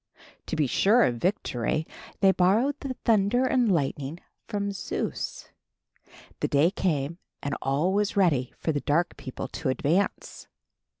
To be sure of victory, they borrowed the thunder and lightning from Zeus. The day came and all was ready for the dark people to advance.